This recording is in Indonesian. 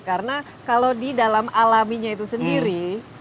karena kalau di dalam alaminya itu sendiri